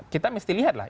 kita mesti lihat lah